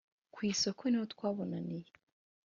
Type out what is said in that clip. ku isoko niho twabonaniye